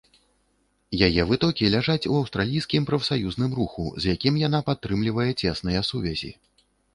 Яе вытокі ляжаць у аўстралійскім прафсаюзным руху, з якім яна падтрымлівае цесныя сувязі.